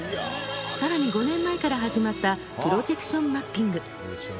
さらに、５年前から始まったプロジェクション・マッピング。